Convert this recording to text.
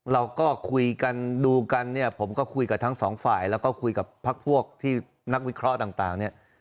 เราก็คุยกันดูกันเนี่ยผมก็คุยกับทั้งสองฝ่ายแล้วก็คุยกับพักพวกที่นักวิเคราะห์ต่างเนี่ย